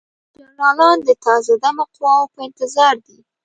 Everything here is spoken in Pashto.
جنرالان د تازه دمه قواوو په انتظار دي.